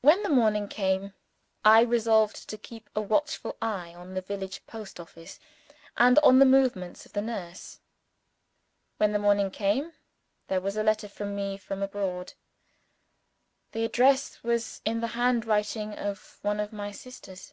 When the morning came, I resolved to keep a watchful eye on the village post office, and on the movements of the nurse. When the morning came, there was a letter for me from abroad. The address was in the handwriting of one of my sisters.